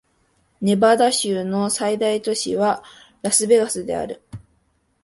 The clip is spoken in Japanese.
ネバダ州の最大都市はラスベガスである